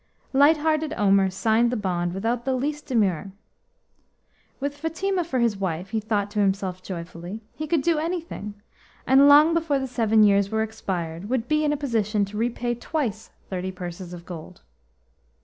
Light hearted Omer signed the bond without the least demur. With Fatima for his wife, he thought to himself joyfully, he could do anything, and long before the seven years were expired would be in a position to repay twice thirty purses of gold.